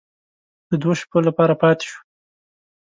د دوو شپو لپاره پاتې شوو.